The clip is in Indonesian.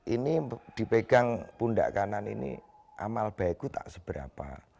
ini dipegang pundak kanan ini amal baiku tak seberapa